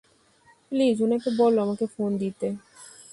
Please, উনাকে বলো আমাকে ফোন দিতে!